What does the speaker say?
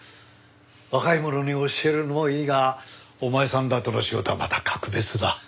若い者に教えるのもいいがお前さんらとの仕事はまた格別だ。